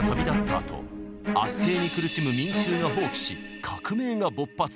あと圧政に苦しむ民衆が蜂起し革命が勃発。